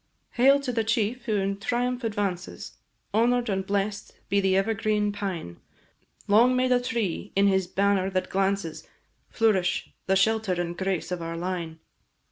Hail to the chief who in triumph advances! Honour'd and bless'd be the ever green pine! Long may the tree, in his banner that glances, Flourish, the shelter and grace of our line!